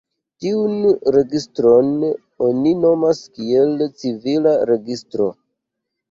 Tiun registron oni nomas kiel "civila registro".